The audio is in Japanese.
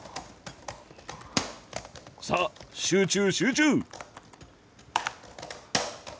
さあ集中集中！